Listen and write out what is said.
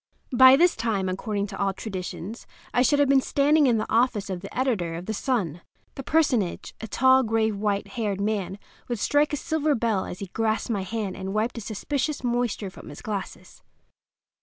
By this time, according to all traditions, I should have been standing in the office of the editor of the Sun. That personage—a tall, grave, white haired man—would strike a silver bell as he grasped my hand and wiped a suspicious moisture from his glasses.